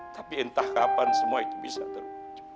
tapi entah kapan semua itu bisa terwujud